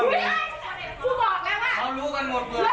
ไม่ต้องก่อน